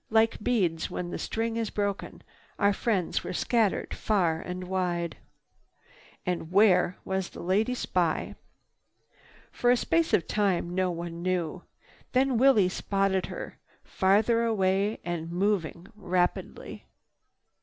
Like beads when the string is broken, our friends were scattered far and wide. And where was the lady spy? For a space of time, no one knew. Then Willie spotted her, farther away and moving rapidly.